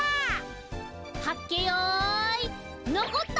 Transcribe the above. はっけよいのこった！